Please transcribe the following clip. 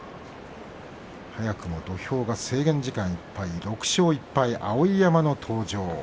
早くも土俵が制限時間いっぱい６勝１敗、碧山の登場。